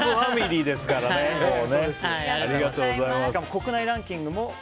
国内ランキングも？